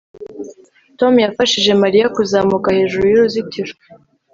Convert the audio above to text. Tom yafashije Mariya kuzamuka hejuru yuruzitiro